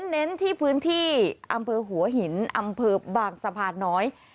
เน้นที่พื้นที่อำเภอหัวหินอำเภอบางสะพานน้อย